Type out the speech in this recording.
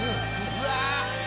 うわ。